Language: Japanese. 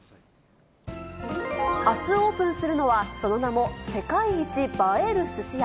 あすオープンするのは、その名も、世界一映えるすし屋。